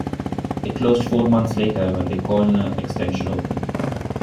It closed four months later when the Colne extension opened.